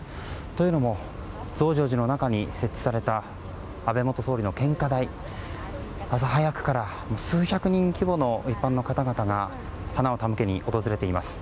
というのも増上寺の中に設置された安倍元総理の献花台朝早くから数百人規模の一般の方々が花を手向けに訪れています。